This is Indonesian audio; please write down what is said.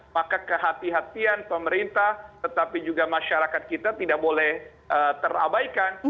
maka kehatian pemerintah tetapi juga masyarakat kita tidak boleh terabaikan